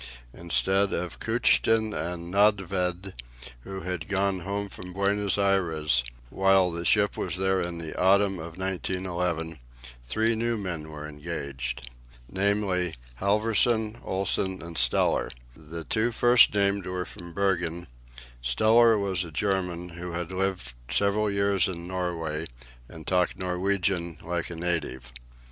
Instead of Kutschin and Nödtvedt, who had gone home from Buenos Aires while the ship was there in the autumn of 1911, three new men were engaged namely, Halvorsen, Olsen and Steller; the two first named were from Bergen; Steller was a German, who had lived for several years in Norway, and talked Norwegian like a native.